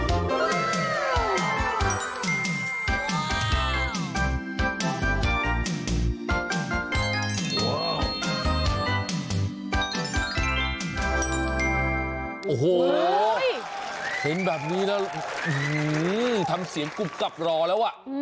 โอ้โหเห็นแบบนี้แล้วทำเสียงกุบกักรอแล้วอ่ะ